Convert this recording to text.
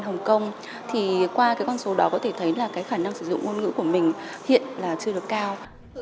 hồng kông thì qua cái con số đó có thể thấy là cái khả năng sử dụng ngôn ngữ của mình hiện là chưa được cao